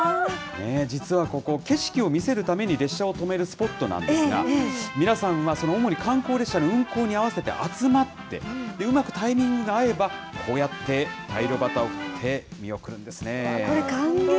実はここ、景色を見せるために列車を止めるスポットなんですが、皆さんは主に観光列車の運行に合わせて集まって、うまくタイミングが合えば、こうやって大漁旗を振って見送るんですね。